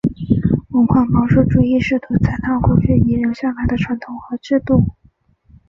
文化保守主义试图采纳过去遗留下来的传统和制度。